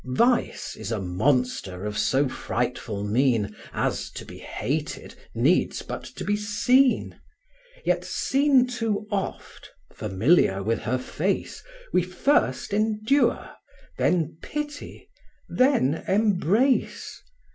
Vice is a monster of so frightful mien, As, to be hated, needs but to be seen; Yet seen too oft, familiar with her face, We first endure, then pity, then embrace.